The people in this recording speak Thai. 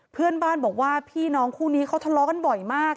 เพื่อนบ้านบอกว่าพี่น้องคู่นี้เขาทะเลาะกันบ่อยมาก